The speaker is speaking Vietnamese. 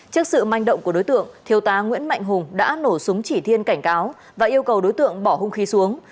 trước sự manh động của đối tượng thiếu tá nguyễn mạnh hùng đã nổ súng chỉ thiên cảnh cáo và yêu cầu đối tượng bỏ hung khí xuống